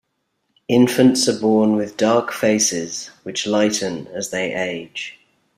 Infants are born with dark faces, which lighten as they age.